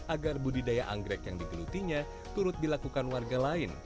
agar budidaya anggrek yang digelutinya turut dilakukan warga lain